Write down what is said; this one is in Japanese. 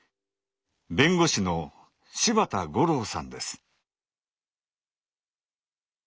弁護士の柴田五郎さんです。